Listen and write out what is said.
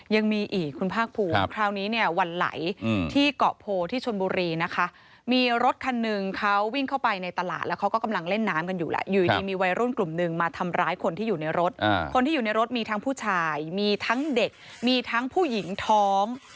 ยังมีอีกคุณภาคภูมิคราวนี้เนี่ยวันไหลที่เกาะโพที่ชนบุรีนะคะมีรถคันหนึ่งเขาวิ่งเข้าไปในตลาดแล้วเขาก็กำลังเล่นน้ำกันอยู่แล้วอยู่ดีมีวัยรุ่นกลุ่มหนึ่งมาทำร้ายคนที่อยู่ในรถคนที่อยู่ในรถมีทั้งผู้ชายมีทั้งเด็กมีทั้งผู้หญิงท้อง